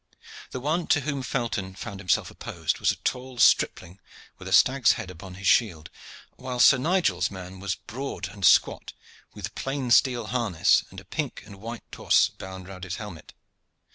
The one to whom Felton found himself opposed was a tall stripling with a stag's head upon his shield, while Sir Nigel's man was broad and squat with plain steel harness, and a pink and white torse bound round his helmet.